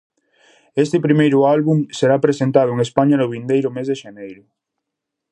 Este primeiro álbum será presentado en España no vindeiro mes de xaneiro.